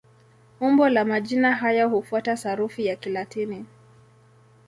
Umbo la majina haya hufuata sarufi ya Kilatini.